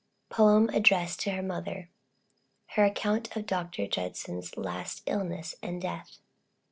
POEM ADDRESSED TO HER MOTHER. HER ACCOUNT OF DR. JUDSON'S LAST ILLNESS AND DEATH.